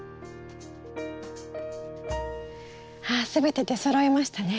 ああ全て出そろいましたね。